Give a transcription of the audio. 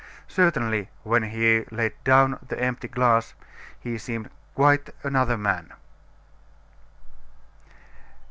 Certainly, when he laid down the empty glass, he seemed quite another man.